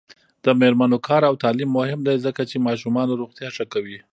د میرمنو کار او تعلیم مهم دی ځکه چې ماشومانو روغتیا ښه کو.